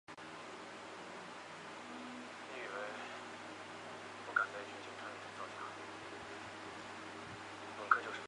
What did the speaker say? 所有参与者都按照预定的策略进行每一期博弈。